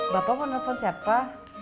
bapak mau nelfon siapa